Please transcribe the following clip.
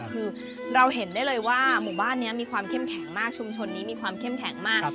คือเราเห็นได้เลยว่าหมู่บ้านนี้มีความเข้มแข็งมากชุมชนนี้มีความเข้มแข็งมาก